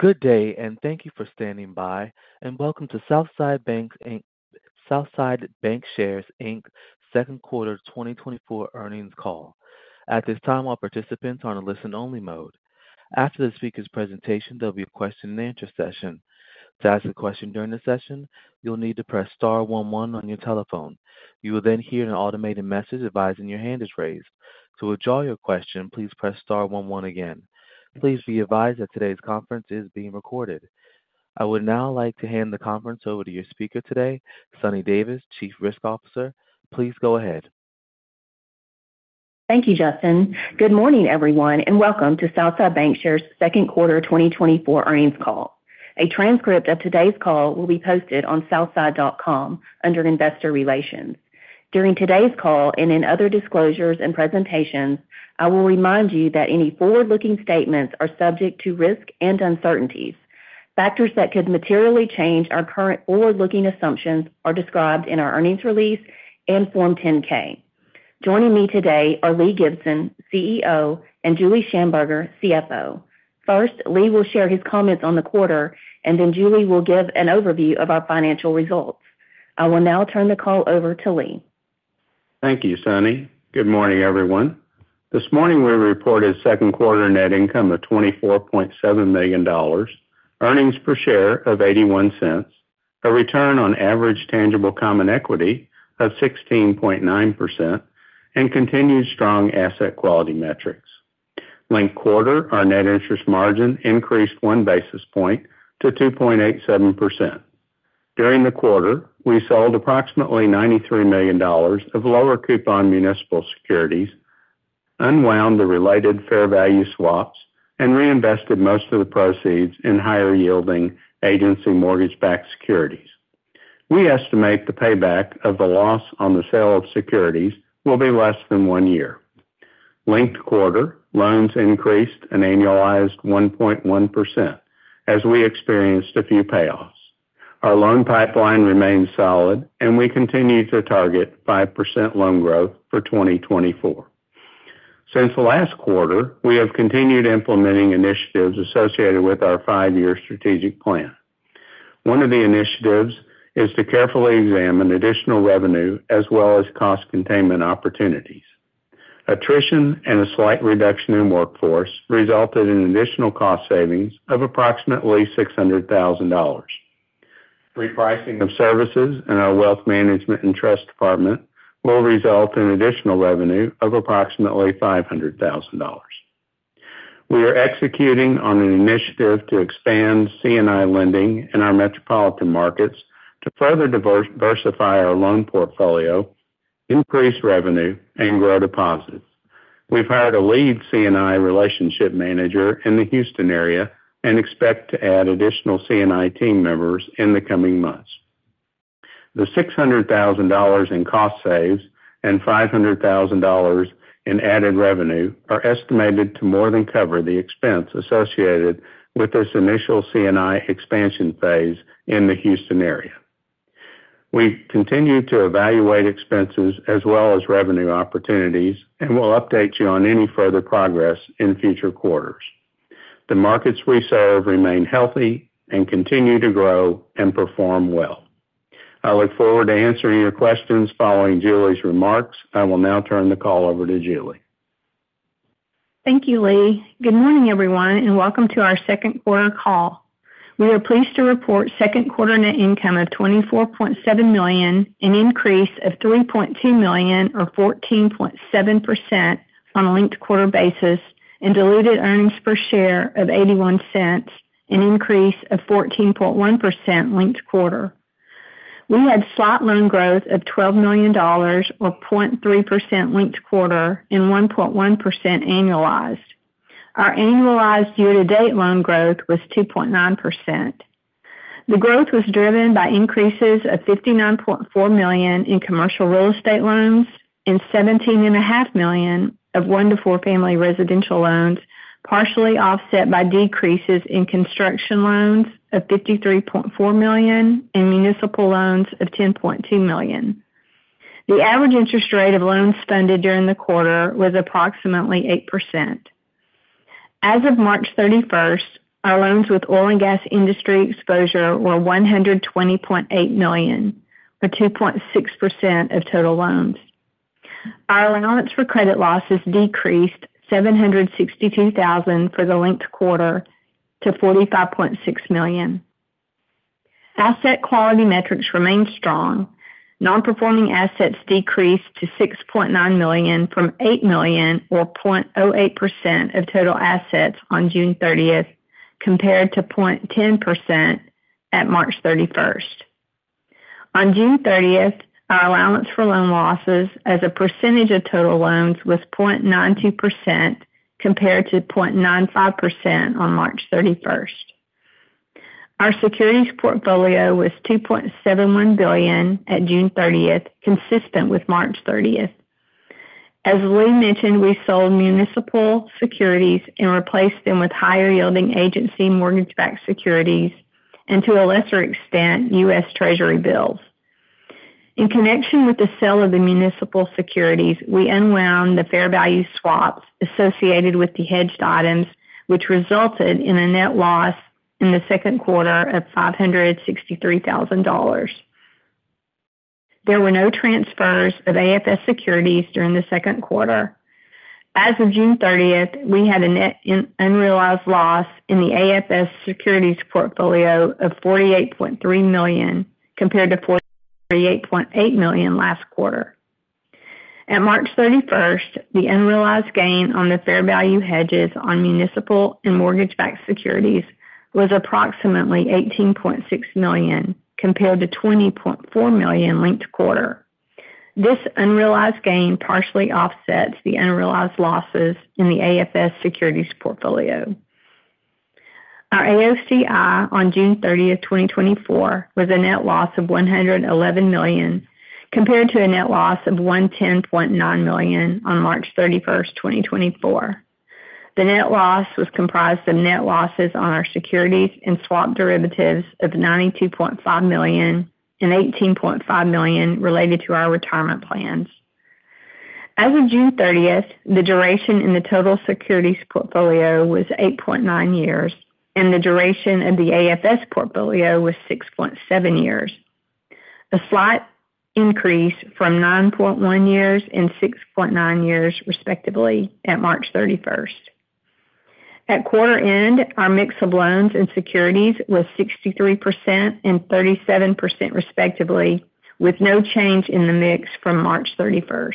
Good day, and thank you for standing by, and welcome to Southside Bancshares, Inc. second quarter 2024 earnings call. At this time, all participants are on a listen-only mode. After the speaker's presentation, there'll be a question and answer session. To ask a question during the session, you'll need to press star one one on your telephone. You will then hear an automated message advising your hand is raised. To withdraw your question, please press star one one again. Please be advised that today's conference is being recorded. I would now like to hand the conference over to your speaker today, Suni Davis, Chief Risk Officer. Please go ahead. Thank you, Justin. Good morning, everyone, and welcome to Southside Bancshares' second quarter 2024 earnings call. A transcript of today's call will be posted on southside.com under Investor Relations. During today's call, and in other disclosures and presentations, I will remind you that any forward-looking statements are subject to risk and uncertainties. Factors that could materially change our current forward-looking assumptions are described in our earnings release and Form 10-K. Joining me today are Lee Gibson, CEO, and Julie Shamburger, CFO. First, Lee will share his comments on the quarter, and then Julie will give an overview of our financial results. I will now turn the call over to Lee. Thank you, Suni. Good morning, everyone. This morning, we reported second quarter net income of $24.7 million, earnings per share of $0.81, a return on average tangible common equity of 16.9%, and continued strong asset quality metrics. Linked quarter, our net interest margin increased 1 basis point to 2.87%. During the quarter, we sold approximately $93 million of lower coupon municipal securities, unwound the related fair value swaps, and reinvested most of the proceeds in higher-yielding agency mortgage-backed securities. We estimate the payback of the loss on the sale of securities will be less than 1 year. Linked quarter, loans increased an annualized 1.1% as we experienced a few payoffs. Our loan pipeline remains solid, and we continue to target 5% loan growth for 2024. Since last quarter, we have continued implementing initiatives associated with our five-year strategic plan. One of the initiatives is to carefully examine additional revenue as well as cost containment opportunities. Attrition and a slight reduction in workforce resulted in additional cost savings of approximately $600,000. Repricing of services in our wealth management and trust department will result in additional revenue of approximately $500,000. We are executing on an initiative to expand C&I lending in our metropolitan markets to further diversify our loan portfolio, increase revenue, and grow deposits. We've hired a lead C&I relationship manager in the Houston area and expect to add additional C&I team members in the coming months. The $600,000 in cost savings and $500,000 in added revenue are estimated to more than cover the expense associated with this initial C&I expansion phase in the Houston area. We continue to evaluate expenses as well as revenue opportunities, and we'll update you on any further progress in future quarters. The markets we serve remain healthy and continue to grow and perform well. I look forward to answering your questions following Julie's remarks. I will now turn the call over to Julie. Thank you, Lee. Good morning, everyone, and welcome to our second quarter call. We are pleased to report second quarter net income of $24.7 million, an increase of $3.2 million or 14.7% on a linked quarter basis, and diluted earnings per share of $0.81, an increase of 14.1% linked quarter. We had slight loan growth of $12 million or 0.3% linked quarter and 1.1% annualized. Our annualized year-to-date loan growth was 2.9%. The growth was driven by increases of $59.4 million in commercial real estate loans and $17.5 million of 1-4 family residential loans, partially offset by decreases in construction loans of $53.4 million and municipal loans of $10.2 million. The average interest rate of loans funded during the quarter was approximately 8%. As of March thirty-first, our loans with oil and gas industry exposure were $120.8 million, or 2.6% of total loans. Our allowance for credit losses decreased $762,000 for the linked quarter to $45.6 million. Asset quality metrics remained strong. Non-performing assets decreased to $6.9 million from $8 million, or 0.08% of total assets on June 30th, compared to 0.10% at March thirty-first. On June 30th, our allowance for loan losses as a percentage of total loans was 0.92%, compared to 0.95% on March thirty-first. Our securities portfolio was $2.71 billion at June 30th, consistent with March 30th. As Lee mentioned, we sold municipal securities and replaced them with higher-yielding agency mortgage-backed securities and, to a lesser extent, U.S. Treasury bills. In connection with the sale of the municipal securities, we unwound the fair value swaps associated with the hedged items, which resulted in a net loss in the second quarter of $563,000. There were no transfers of AFS securities during the second quarter. As of June 30th, we had a net unrealized loss in the AFS securities portfolio of $48.3 million, compared to $48.8 million last quarter. At March 31st, the unrealized gain on the fair value hedges on municipal and mortgage-backed securities was approximately $18.6 million, compared to $20.4 million linked quarter. This unrealized gain partially offsets the unrealized losses in the AFS securities portfolio. Our AOCI on June 30, 2024, was a net loss of $111 million, compared to a net loss of $110.9 million on March 31st, 2024. The net loss was comprised of net losses on our securities and swap derivatives of $92.5 million and $18.5 million related to our retirement plans. As of June 30, the duration in the total securities portfolio was 8.9 years, and the duration of the AFS portfolio was 6.7 years, a slight increase from 9.1 years and 6.9 years, respectively, at March 31st. At quarter end, our mix of loans and securities was 63% and 37%, respectively, with no change in the mix from March 31.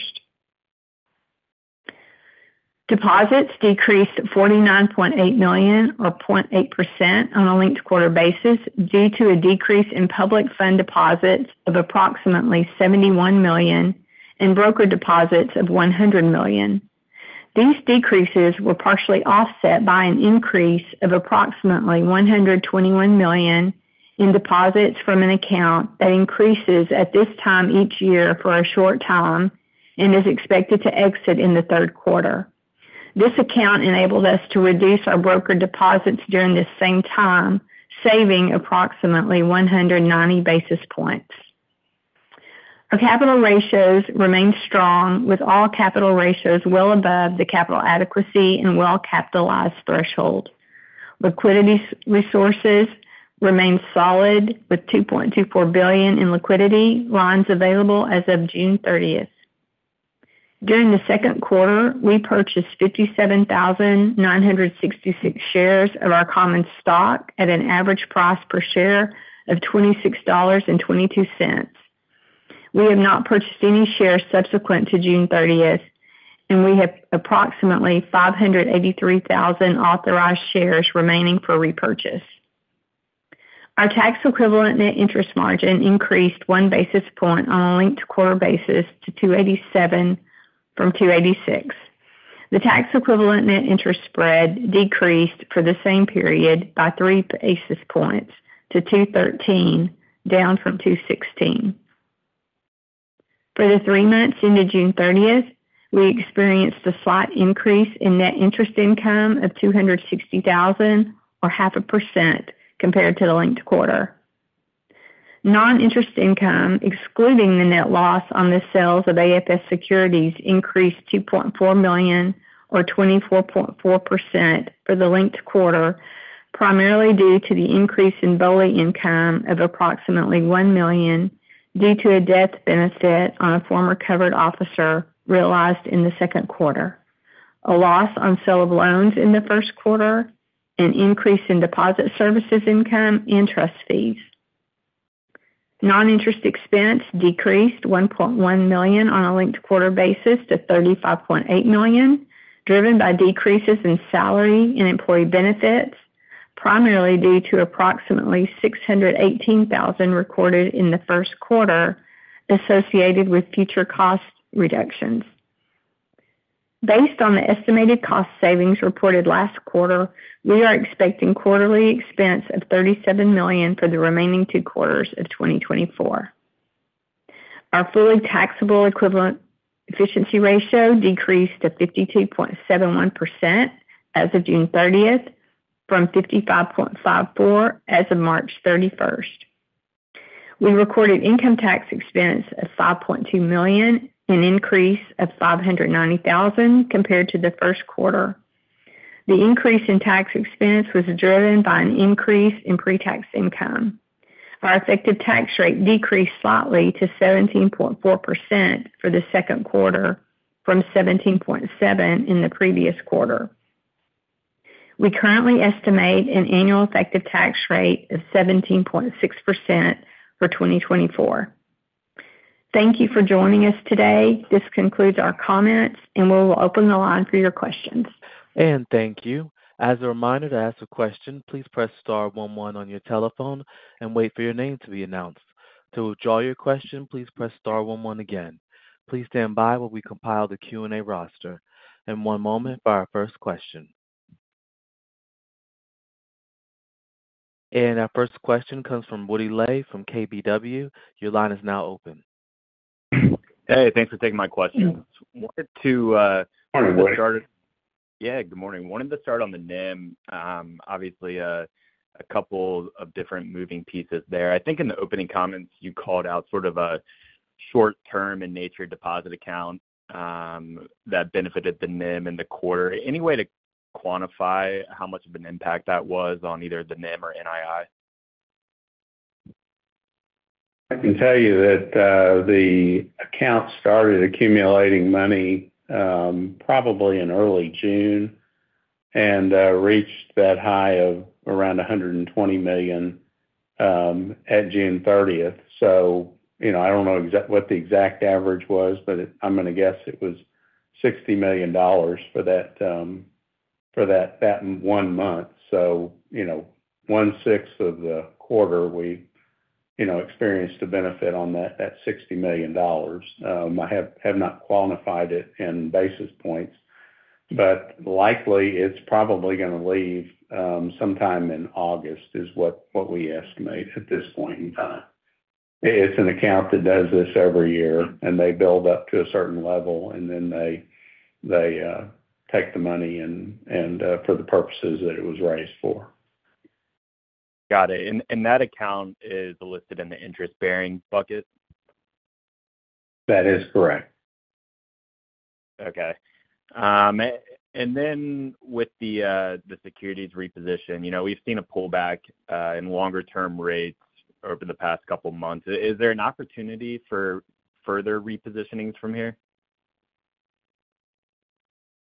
Deposits decreased $49.8 million, or 0.8% on a linked-quarter basis, due to a decrease in public fund deposits of approximately $71 million and broker deposits of $100 million. These decreases were partially offset by an increase of approximately $121 million in deposits from an account that increases at this time each year for a short time and is expected to exit in the third quarter. This account enabled us to reduce our broker deposits during the same time, saving approximately 190 basis points. Our capital ratios remain strong, with all capital ratios well above the capital adequacy and well-capitalized threshold. Liquidity resources remain solid, with $2.24 billion in liquidity lines available as of June 30th. During the second quarter, we purchased 57,966 shares of our common stock at an average price per share of $26.22. We have not purchased any shares subsequent to June 30th, and we have approximately 583,000 authorized shares remaining for repurchase. Our tax equivalent net interest margin increased 1 basis point on a linked-quarter basis to 2.87 from 2.86. The tax equivalent net interest spread decreased for the same period by 3 basis points to 2.13, down from 2.16. For the three months ended June 30th, we experienced a slight increase in net interest income of $260,000, or 0.5%, compared to the linked quarter. Non-interest income, excluding the net loss on the sales of AFS securities, increased $2.4 million, or 24.4% for the linked quarter, primarily due to the increase in BOLI income of approximately $1 million due to a death benefit on a former covered officer realized in the second quarter, a loss on sale of loans in the first quarter, an increase in deposit services income and trust fees. Non-interest expense decreased $1.1 million on a linked quarter basis to $35.8 million, driven by decreases in salary and employee benefits, primarily due to approximately $618,000 recorded in the first quarter associated with future cost reductions. Based on the estimated cost savings reported last quarter, we are expecting quarterly expense of $37 million for the remaining two quarters of 2024. Our fully taxable equivalent efficiency ratio decreased to 52.71% as of June 30th from 55.54 as of March 31st. We recorded income tax expense of $5.2 million, an increase of $590,000 compared to the first quarter. The increase in tax expense was driven by an increase in pretax income. Our effective tax rate decreased slightly to 17.4% for the second quarter from 17.7% in the previous quarter. We currently estimate an annual effective tax rate of 17.6% for 2024. Thank you for joining us today. This concludes our comments, and we will open the line for your questions. Thank you. As a reminder to ask a question, please press star one one on your telephone and wait for your name to be announced. To withdraw your question, please press star one one again. Please stand by while we compile the Q&A roster. One moment for our first question. Our first question comes from Woody Lay from KBW. Your line is now open. Hey, thanks for taking my question. Yeah, good morning. Wanted to start on the NIM. Obviously, a couple of different moving pieces there. I think in the opening comments, you called out sort of a short-term in nature deposit account that benefited the NIM in the quarter. Any way to quantify how much of an impact that was on either the NIM or NII? I can tell you that, the account started accumulating money, probably in early June, and, reached that high of around $120 million, at June 30th. So, you know, I don't know what the exact average was, but I'm going to guess it was $60 million for that one month. So, you know, one-sixth of the quarter, we, you know, experienced a benefit on that $60 million. I have not quantified it in basis points, but likely it's probably going to leave, sometime in August, is what we estimate at this point in time. It's an account that does this every year, and they build up to a certain level, and then they take the money and, for the purposes that it was raised for. Got it. And that account is listed in the interest-bearing bucket? That is correct. Okay. And then with the securities reposition, you know, we've seen a pullback in longer-term rates over the past couple of months. Is there an opportunity for further repositionings from here?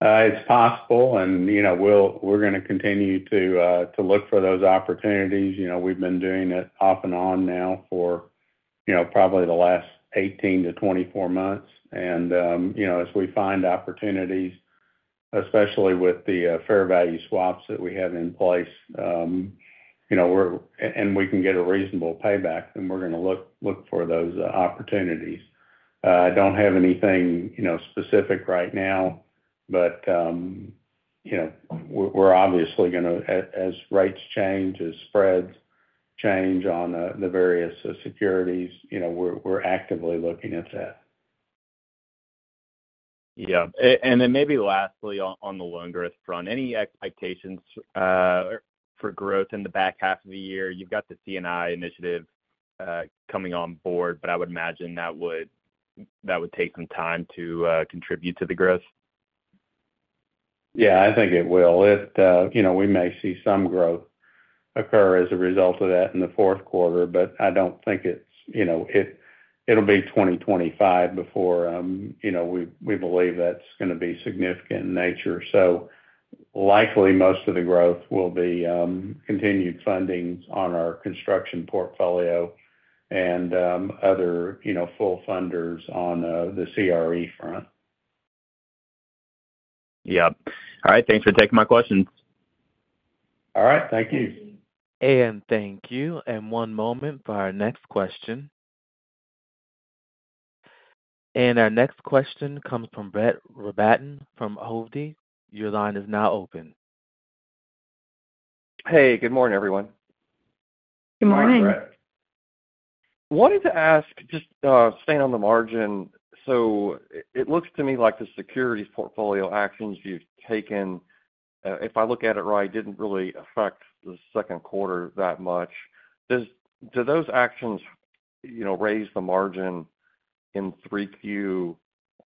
It's possible, and, you know, we're going to continue to look for those opportunities. You know, we've been doing it off and on now for, you know, probably the last 18-24 months. And, you know, as we find opportunities, especially with the fair value swaps that we have in place, you know, and we can get a reasonable payback, then we're going to look for those opportunities. I don't have anything, you know, specific right now, but, you know, we're obviously going to... As rates change, as spreads change on the various securities, you know, we're actively looking at that. Yeah. And then maybe lastly on, on the loan growth front, any expectations for growth in the back half of the year? You've got the C&I initiative coming on board, but I would imagine that would, that would take some time to contribute to the growth. Yeah, I think it will. It, you know, we may see some growth occur as a result of that in the fourth quarter, but I don't think it's, you know, it'll be 2025 before, you know, we believe that's going to be significant in nature. So likely, most of the growth will be continued fundings on our construction portfolio and, other, you know, full funders on the CRE front. Yep. All right, thanks for taking my questions. All right, thank you. Thank you. One moment for our next question. Our next question comes from Brett Rabatin from Hovde. Your line is now open. Hey, good morning, everyone. Good morning. Good morning, Brett. Wanted to ask, just, staying on the margin. So it looks to me like the securities portfolio actions you've taken, if I look at it right, didn't really affect the second quarter that much. Do those actions, you know, raise the margin in 3Q,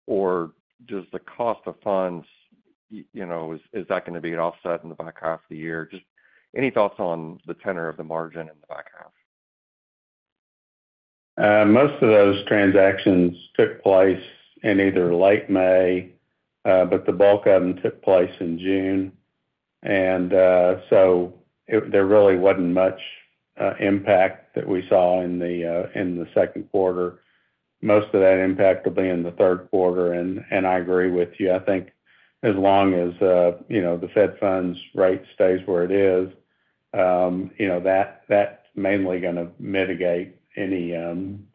or does the cost of funds, you know, is that going to be an offset in the back half of the year? Just any thoughts on the tenor of the margin in the back half? Most of those transactions took place in either late May, but the bulk of them took place in June. So there really wasn't much impact that we saw in the second quarter. Most of that impact will be in the third quarter. And I agree with you. I think as long as you know, the Fed funds rate stays where it is, you know, that's mainly going to mitigate any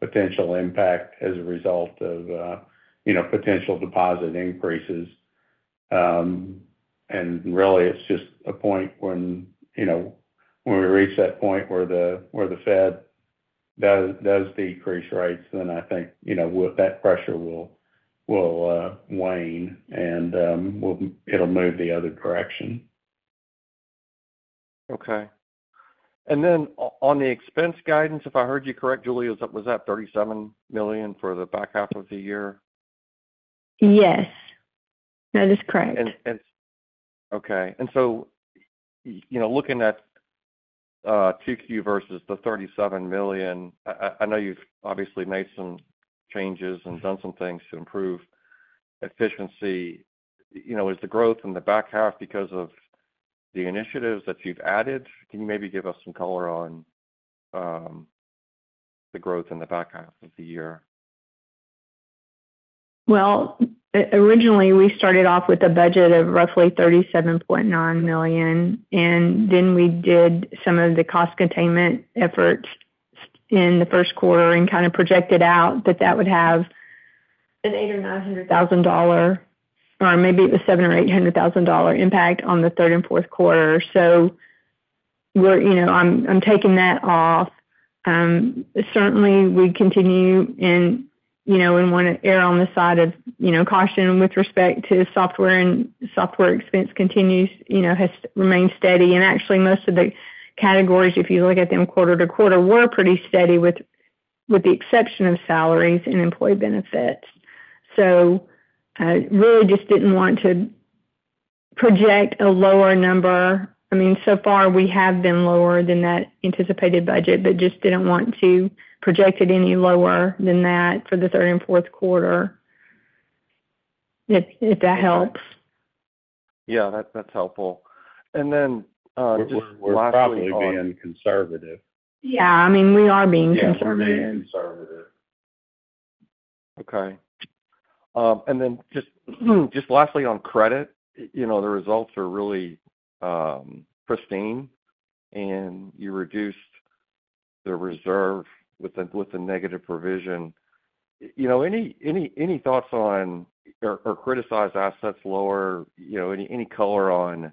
potential impact as a result of you know, potential deposit increases. And really, it's just a point when you know, when we reach that point where the Fed does decrease rates, then I think you know, well, that pressure will wane, and it'll move the other direction. Okay. And then on the expense guidance, if I heard you correctly, Julie, was that, was that $37 million for the back half of the year? Yes, that is correct. Okay. And so, you know, looking at 2Q versus the $37 million, I know you've obviously made some changes and done some things to improve efficiency. You know, is the growth in the back half because of the initiatives that you've added? Can you maybe give us some color on the growth in the back half of the year? Well, originally, we started off with a budget of roughly $37.9 million, and then we did some of the cost containment efforts in the first quarter and kind of projected out that that would have an $800,000-$900,000, or maybe it was $700,000-$800,000 impact on the third and fourth quarter. So we're, you know, I'm taking that off. Certainly, we continue, and, you know, we wanna err on the side of, you know, caution with respect to software, and software expense continues, you know, has remained steady. And actually, most of the categories, if you look at them quarter to quarter, were pretty steady, with the exception of salaries and employee benefits. So I really just didn't want to project a lower number. I mean, so far we have been lower than that anticipated budget, but just didn't want to project it any lower than that for the third and fourth quarter, if that helps. Yeah, that, that's helpful. And then, just lastly- We're probably being conservative. Yeah, I mean, we are being conservative. Yeah, we're being conservative. Okay. And then just, just lastly on credit, you know, the results are really pristine, and you reduced the reserve with the, with the negative provision. You know, any, any, any thoughts on... or, or criticized assets lower? You know, any, any color on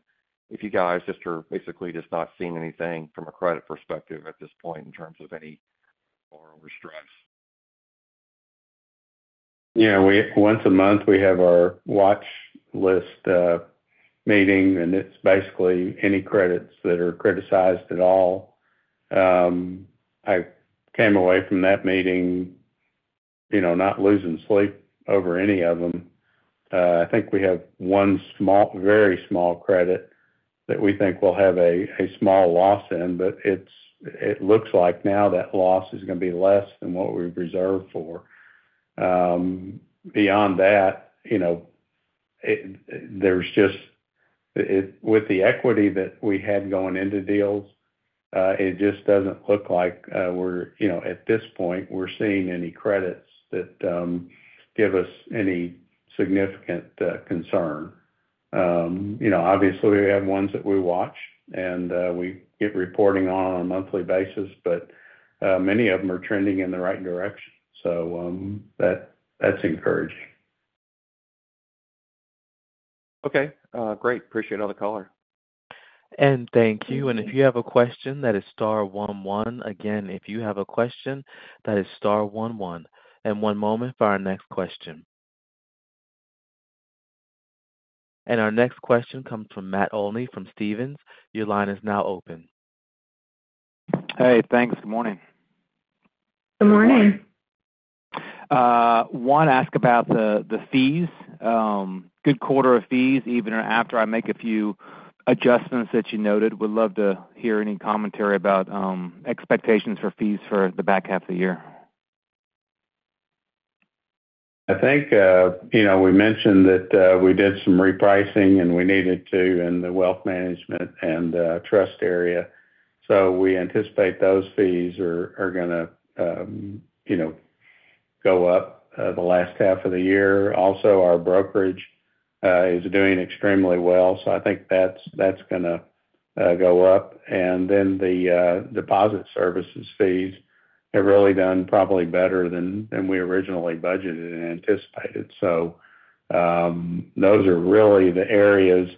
if you guys just are basically just not seeing anything from a credit perspective at this point in terms of any borrower stress? Yeah, we once a month have our watch list meeting, and it's basically any credits that are criticized at all. I came away from that meeting, you know, not losing sleep over any of them. I think we have one small, very small credit that we think will have a small loss in, but it looks like now that loss is gonna be less than what we've reserved for. Beyond that, you know, it's just with the equity that we had going into deals, it just doesn't look like we're, you know, at this point, we're seeing any credits that give us any significant concern. You know, obviously, we have ones that we watch, and we get reporting on a monthly basis, but many of them are trending in the right direction. So, that, that's encouraging. Okay, great. Appreciate all the color. Thank you. If you have a question, that is star one one. Again, if you have a question, that is star one one. One moment for our next question. Our next question comes from Matt Olney from Stephens. Your line is now open. Hey, thanks. Good morning. Good morning. Want to ask about the fees. Good quarter of fees, even after I make a few adjustments that you noted. Would love to hear any commentary about expectations for fees for the back half of the year. I think, you know, we mentioned that, we did some repricing, and we needed to in the wealth management and, trust area. So we anticipate those fees are gonna, you know, go up, the last half of the year. Also, our brokerage, is doing extremely well, so I think that's gonna, go up. And then the, deposit services fees have really done probably better than we originally budgeted and anticipated. So, those are really the areas,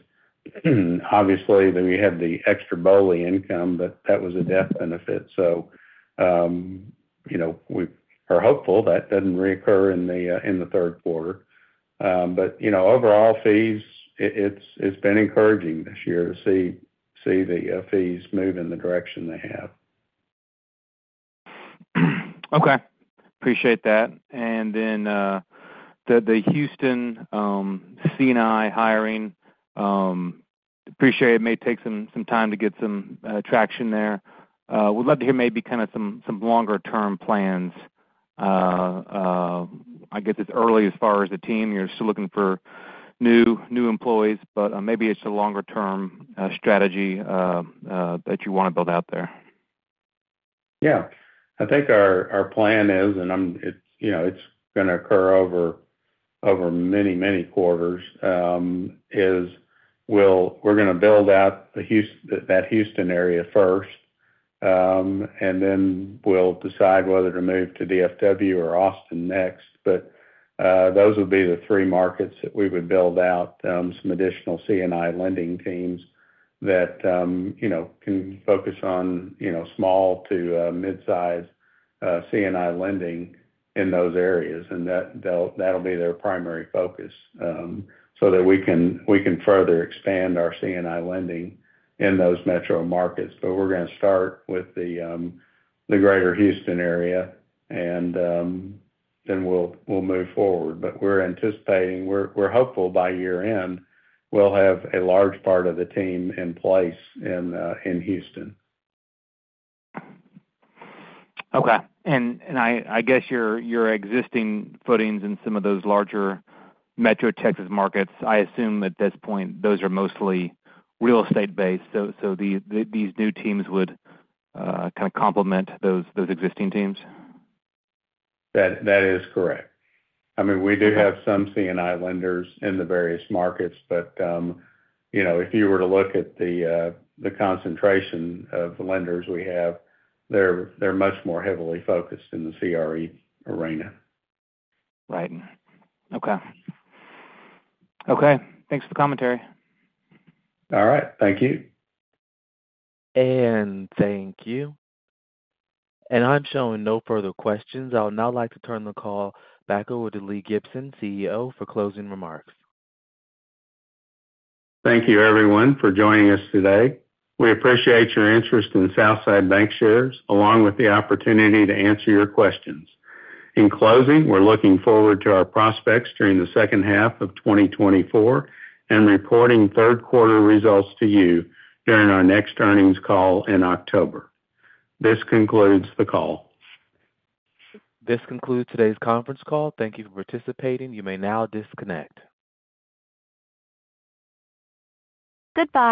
obviously, then we had the extra BOLI income, but that was a death benefit. So, you know, we are hopeful that doesn't reoccur in the, in the third quarter. But, you know, overall fees, it's been encouraging this year to see, the, fees move in the direction they have. Okay, appreciate that. And then, the Houston C&I hiring, appreciate it may take some time to get some traction there. Would love to hear maybe kind of some longer-term plans. I get it's early as far as the team. You're still looking for new employees, but maybe it's a longer-term strategy that you wanna build out there. Yeah. I think our plan is, and I'm... It's, you know, it's gonna occur over many quarters, is, we'll-- we're gonna build out that Houston area first, and then we'll decide whether to move to DFW or Austin next. But those would be the three markets that we would build out some additional C&I lending teams that, you know, can focus on, you know, small to mid-size C&I lending in those areas. And that, that'll be their primary focus, so that we can further expand our C&I lending in those metro markets. But we're gonna start with the greater Houston area, and then we'll move forward. But we're anticipating, we're hopeful by year-end, we'll have a large part of the team in place in Houston. Okay. And I guess your existing footings in some of those larger metro Texas markets, I assume at this point, those are mostly real estate-based. So these new teams would kind of complement those existing teams? That, that is correct. I mean, we do have some C&I lenders in the various markets, but, you know, if you were to look at the, the concentration of the lenders we have, they're, they're much more heavily focused in the CRE arena. Right. Okay. Okay, thanks for the commentary. All right. Thank you. Thank you. I'm showing no further questions. I would now like to turn the call back over to Lee Gibson, CEO, for closing remarks. Thank you, everyone, for joining us today. We appreciate your interest in Southside Bancshares, along with the opportunity to answer your questions. In closing, we're looking forward to our prospects during the second half of 2024 and reporting third quarter results to you during our next earnings call in October. This concludes the call. This concludes today's conference call. Thank you for participating. You may now disconnect. Goodbye.